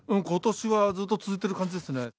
ことしはずっと続いてる感じですね。